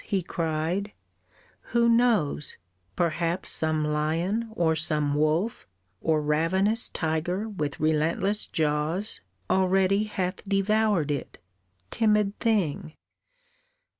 he cried, "Who knows, perhaps some lion or some wolf, Or ravenous tiger with relentless jaws Already hath devoured it, timid thing!